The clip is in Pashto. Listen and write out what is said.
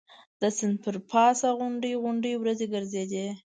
د سیند پر پاسه غونډۍ غونډۍ وریځ ګرځېدې.